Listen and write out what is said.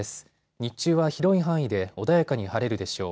日中は広い範囲で穏やかに晴れるでしょう。